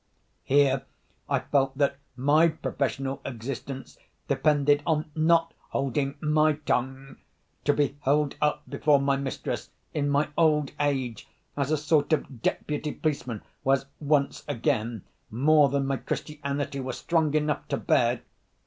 Here I felt that my professional existence depended on not holding my tongue. To be held up before my mistress, in my old age, as a sort of deputy policeman, was, once again, more than my Christianity was strong enough to bear.